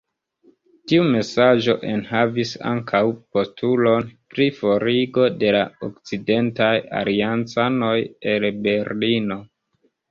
Tiu mesaĝo enhavis ankaŭ postulon pri forigo de la okcidentaj aliancanoj el Berlino.